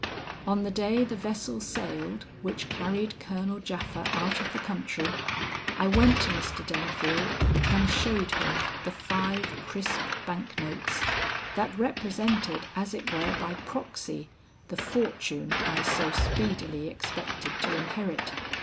On the day the vessel sailed which carried Colonel Japha out of the country, I went to Mr. Delafield and showed him the five crisp bank notes that represented as it were by proxy, the fortune I so speedily expected to inherit.